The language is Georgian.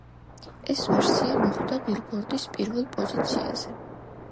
ეს ვერსია მოხვდა „ბილბორდის“ პირველ პოზიციაზე.